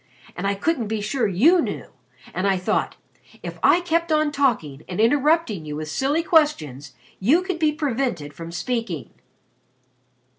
And I couldn't be sure you knew, and I thought, if I kept on talking and interrupting you with silly questions, you could be prevented from speaking."